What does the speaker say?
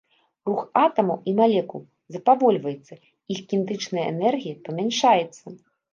Рух атамаў і малекул запавольваецца, іх кінетычная энергія памяншаецца.